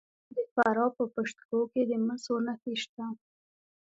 د فراه په پشت کوه کې د مسو نښې شته.